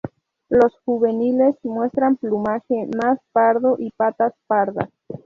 Los juveniles muestran plumaje más pardo y patas pardas.